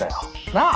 なあ？